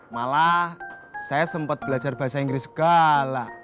malah saya sempat belajar bahasa inggris segala